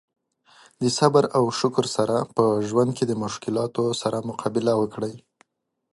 د صبر او شکر سره په ژوند کې د مشکلاتو سره مقابله وکړي.